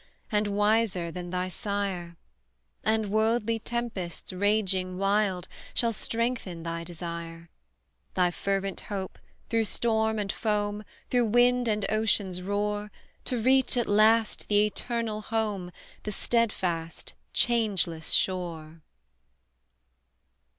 And wiser than thy sire; And worldly tempests, raging wild, Shall strengthen thy desire Thy fervent hope, through storm and foam, Through wind and ocean's roar, To reach, at last, the eternal home, The steadfast, changeless shore!"